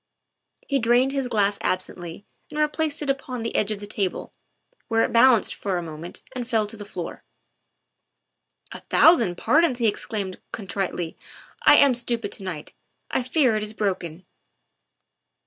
He drained his glass absently and replaced it upon the edge of the table, where it balanced for a moment and fell to the floor. "A thousand pardons!" he exclaimed contritely. " I am stupid to night ; I fear it is broken.